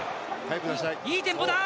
いいテンポだ！